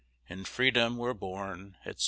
_In Freedom we're born, etc.